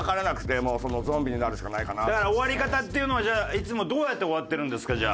終わり方っていうのはいつもどうやって終わってるんですか？